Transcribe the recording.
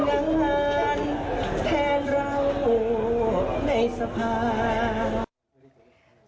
ทำงานแทนเราห่วงในสะพาน